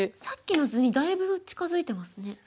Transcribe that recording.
さっきの図にだいぶ近づいてますね。